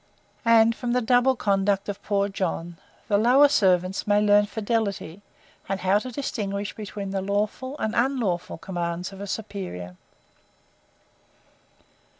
And, from the double conduct of poor JOHN, the LOWER SERVANTS may learn fidelity, and how to distinguish between the lawful and unlawful commands of a superior.